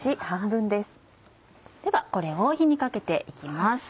ではこれを火にかけて行きます。